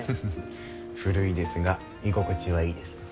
古いですが居心地はいいです。